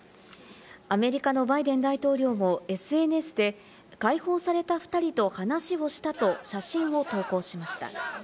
アメリカのバイデン大統領もＳＮＳで解放された２人と話をしたと写真を投稿しました。